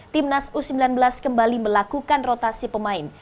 timnas u sembilan belas kembali melakukan rotasi pemain